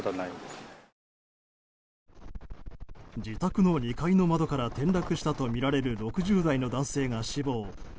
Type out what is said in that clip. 自宅の２階の窓から転落したとみられる６０代の男性が死亡。